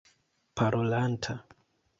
parolanta